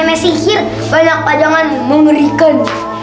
saya sihir banyak pajangan mengerikan